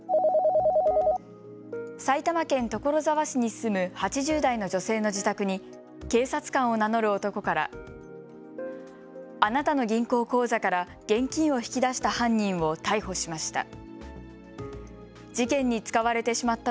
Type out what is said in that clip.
埼玉県所沢市に住む８０代の女性の自宅に警察官を名乗る男からあなたの銀行口座から現金を引き出した犯人を逮捕しました。